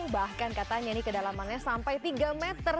bahkan katanya ini kedalamannya sampai tiga meter